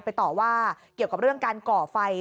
ต่อว่าเกี่ยวกับเรื่องการก่อไฟ